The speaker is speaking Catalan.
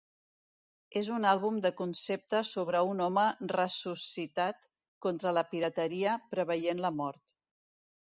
És un àlbum de concepte sobre un home ressuscitat, contra la pirateria, preveient la mort.